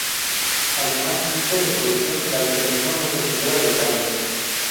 Además dicha resolución la denominó Nuestra Señora del Carmen.